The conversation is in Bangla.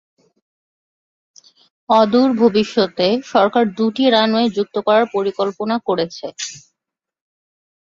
অদূর ভবিষ্যতে সরকার দুটি রানওয়ে যুক্ত করার পরিকল্পনা করেছে।